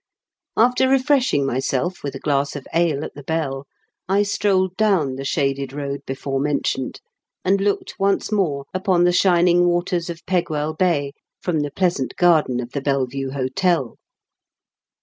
After refreshing myself with a glass of ale at The Bell, I strolled down the shaded road before mentioned, and looked once more upon the shining waters of Pegwell Bay from the pleasant garden of The Belle Vue Hotel.